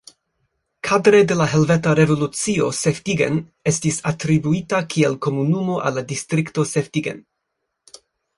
Kadre de la Helveta Revolucio Seftigen estis atribuita kiel komunumo al la distrikto Seftigen.